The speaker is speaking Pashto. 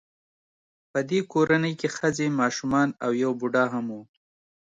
په دې کورنۍ کې ښځې ماشومان او یو بوډا هم و